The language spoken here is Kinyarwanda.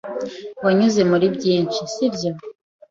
Wanyuze muri byinshi, sibyo?